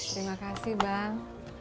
terima kasih bang